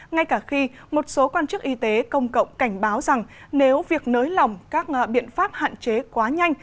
ngay cả khi một số quan chức y tế công cộng cảnh báo rằng nếu việc nới lỏng các biện pháp hạn chế quá nhanh